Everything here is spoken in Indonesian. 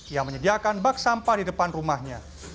yang menyediakan bak sampah di depan rumahnya